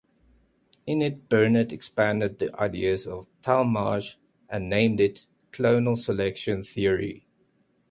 In it Burnet expanded the ideas of Talmage and named it clonal selection theory.